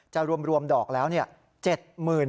จะรวมดอกแล้ว๗๒๐๐๐บาท